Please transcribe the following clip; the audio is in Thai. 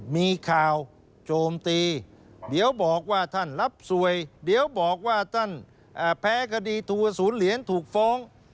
มีข่าวโจมตีเดี๋ยวบอกว่าท่านรับสวยเดี๋ยวบอกว่าท่านแพ้คดีทัวร์ศูนย์เหรียญถูกฟ้อง